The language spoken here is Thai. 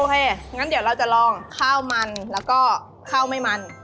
งั้นเดี๋ยวเราจะลองข้าวมันแล้วก็ข้าวไม่มัน